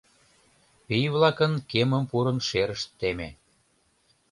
Пий-влакын кемым пурын шерышт теме.